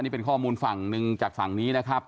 นี่เป็นข้อมูลฝั่งหนึ่งจากฝั่งนี้นะครับ